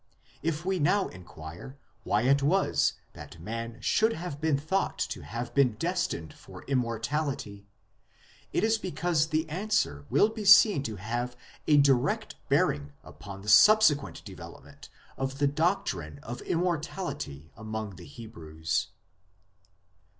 If we now inquire why it was that man should have been thought to have been destined for Immortality, it is because the answer will be seen to have a direct bearing upon the subsequent development of the doctrine of Immortality among the Hebrews.